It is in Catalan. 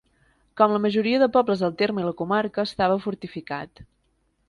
Com la majoria de pobles del terme i la comarca, estava fortificat.